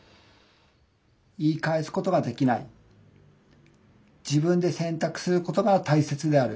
「言い返すことができない自分で選択することが大切である」。